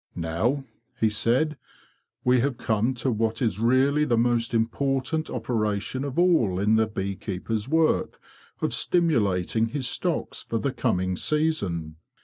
"Now," he said, " we have come to what is 30 THE BEE MASTER OF WARRILOW really the most important operation of all in the bee keeper's work of stimulating his stocks for the coming season.